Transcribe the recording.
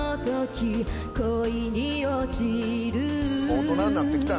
大人になってきたな